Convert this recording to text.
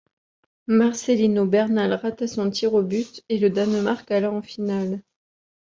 Marcelino Bernal rata son tir au but, et le Danemark alla en finale.